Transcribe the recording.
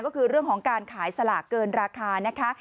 ก็คือเรื่องของการขายสลากเกินราคานะคะ